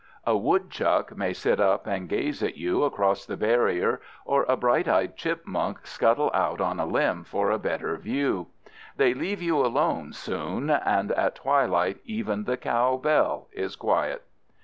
A woodchuck may sit up and gaze at you across the barrier, or a bright eyed chipmunk scuttle out on a limb for a better view. They leave you alone soon, and at twilight even the cow bell is quiet.